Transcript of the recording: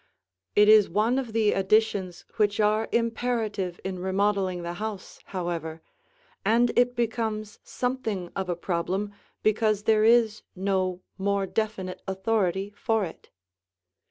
It is one of the additions which are imperative in remodeling the house, however, and it becomes something of a problem because there is no more definite authority for it.